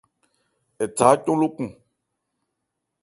Ɛ tha ácɔn lókɔn.